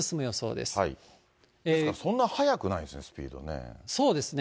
ですからそんな速くないんですね、そうですね。